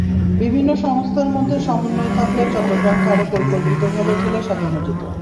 বিভিন্ন সংস্থার মধ্যে সমন্বয় থাকলে চট্টগ্রামকে আরও পরিকল্পিতভাবে ঢেলে সাজানো যেত।